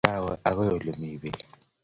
Kawe ain't agur beek